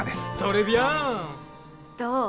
どう？